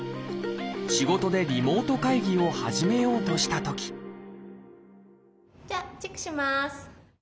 仕事でリモート会議を始めようとしたときじゃあチェックします。